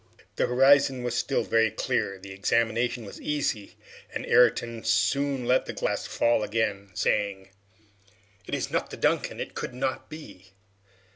The horizon was still very clear. The examination was easy, and Ayrton soon let the glass fall again, saying "It is not the 'Duncan'! It could not be!"